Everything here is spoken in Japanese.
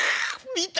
見た？